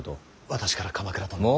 私から鎌倉殿に。